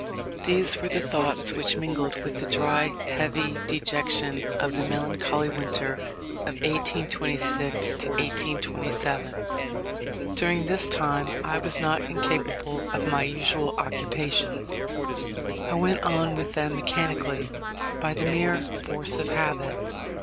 These were the thoughts which mingled with the dry, heavy dejection of the melancholy winter of 1826 7. During this time I was not incapable of my usual occupations. I went on with them mechanically, by the mere force of habit.